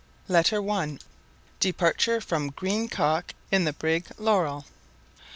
LETTER I. Departure from Greenock in the Brig. Laurel.